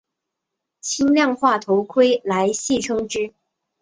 轻量化头盔来戏称之。